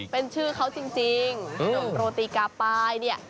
เป็นชื่อเขาจริงโลติก๊าปายเนี่ย